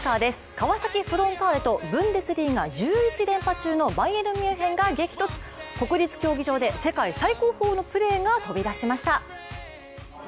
川崎フロンターレとブンデスリーガ、１１連勝中のバイエルン・ミュンヘンが激突、国立競技場で世界最高峰のプレーが飛び出しました。